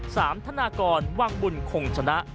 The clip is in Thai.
ธนากรวังบุญคงชนะ